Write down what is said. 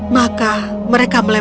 mereka mencabut patung itu